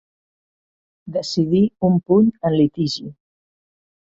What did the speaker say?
Decidir un punt en litigi.